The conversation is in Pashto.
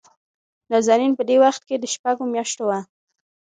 نازنين په دې وخت کې دشپږو مياشتو وه.